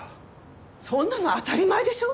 そんなの当たり前でしょ？